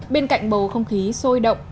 bên cạnh bầu không khí sôi động